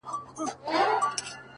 • ستا په دوه دلیله ژوند در ختمومه ,